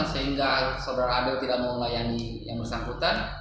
sehingga saudara ade tidak mau melayani yang bersangkutan